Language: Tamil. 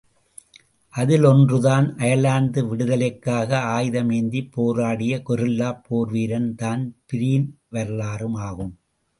அதிலொன்றுதான் அயர்லாந்து விடுதலைக்காக ஆயுதமேந்திப் போராடிய கெரில்லாப் போர்வீரன் தான்பிரீன் வரலாறும் ஆகும்.